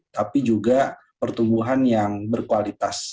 tapi juga pertumbuhan yang berkualitas